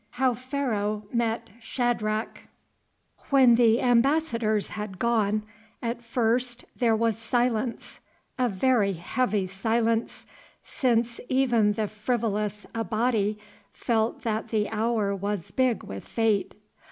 HOW PHARAOH MET SHADRACH When the ambassadors had gone, at first there was silence, a very heavy silence, since even the frivolous Abati felt that the hour was big with fate.